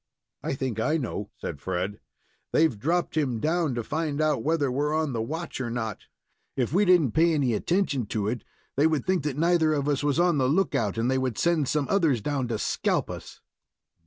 "I think I know," said Fred. "They've dropped him down to find out whether we're on the watch or not. If we didn't pay any attention to it, they would think that neither of us was on the look out, and they would send some others down to scalp us."